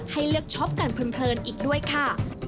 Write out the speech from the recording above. ให้เลือกช็อปกันเพลินอีกด้วยค่ะ